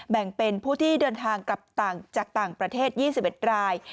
แบ่งเป็นผู้ที่เดินทางกลับจากต่างประเทศ๒๑ราย